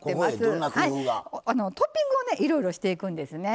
トッピングをねいろいろしていくんですね。